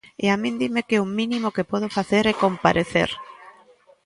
E a min dime que o mínimo que podo facer é comparecer.